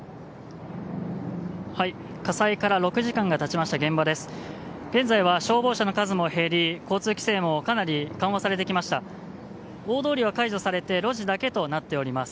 火災から６時間が経ちました現場です。